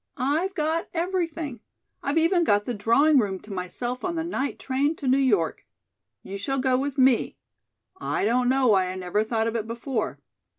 I've got everything. I've even got the drawing room to myself on the night train to New York. You shall go with me. I don't know why I never thought of it before.